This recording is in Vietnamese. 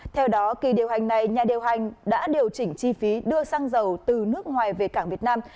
theo đó kỳ điều hành này nhà điều hành đã điều chỉnh chi phí đưa xăng dầu từ nước ngoài về cảng việt nam